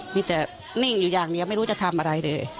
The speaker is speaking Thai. มีแต่นิ่งอยู่อย่างเดียวไม่รู้จะทำอะไรเลย